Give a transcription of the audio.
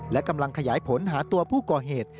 และกำลังขยายผลหาตัวผู้ก่อเหตุ